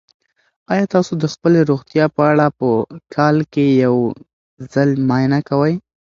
آیا تاسو د خپلې روغتیا په اړه په کال کې یو ځل معاینه کوئ؟